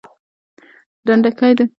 ډنډکی د پکتياوالو عنعنوي خوارک ده